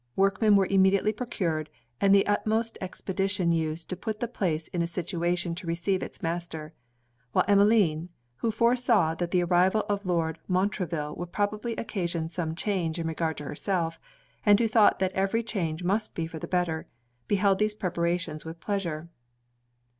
Workmen were immediately procured, and the utmost expedition used to put the place in a situation to receive its master: while Emmeline, who foresaw that the arrival of Lord Montreville would probably occasion some change in regard to herself, and who thought that every change must be for the better, beheld these preparations with pleasure.